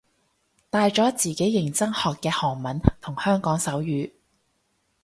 大咗自己認真學嘅得韓文同香港手語